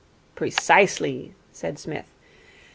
'Precisely,' said Psmith.